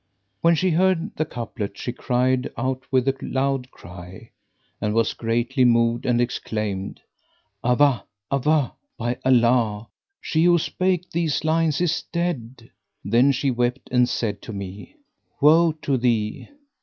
When she heard the couplet she cried out with a loud cry and was greatly moved and exclaimed, "Awáh! Awáh![FN#517] By Allah, she who spake these lines is dead!" Then she wept and said to me, "Woe to thee!